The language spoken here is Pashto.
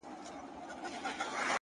لکه کنگل تودو اوبو کي پروت يم!